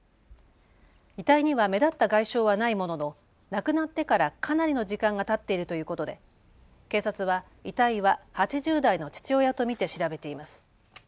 遺体には目立った外傷はないものの亡くなってからかなりの時間がたっているということで警察は遺体は８０代の父親と見て調べています。